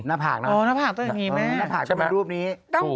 หน้าผากน่ะอ๋อหน้าผากต้องอย่างนี้แม่ใช่ไหม